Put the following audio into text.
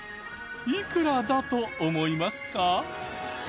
いくらだと思いますか？